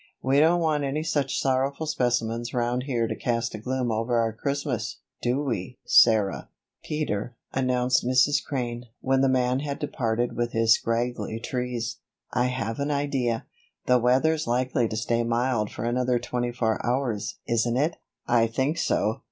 We don't want any such sorrowful specimens round here to cast a gloom over our Christmas, do we, Sarah?" "Peter," announced Mrs. Crane, when the man had departed with his scraggly trees, "I have an idea. The weather's likely to stay mild for another twenty four hours, isn't it?" "I think so."